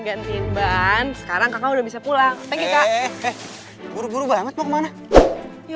gantiin ban sekarang kakak udah bisa pulang pergi kak buru buru banget mau kemana ya